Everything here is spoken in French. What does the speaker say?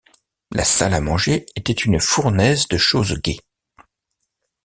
La salle à manger était une fournaise de choses gaies.